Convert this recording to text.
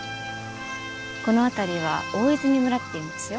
この辺りは大泉村っていうんですよ。